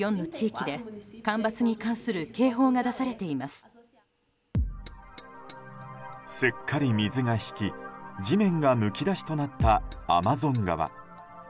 すっかり水が引き、地面がむき出しとなったアマゾン川。